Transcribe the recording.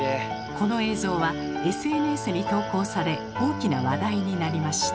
この映像はＳＮＳに投稿され大きな話題になりました。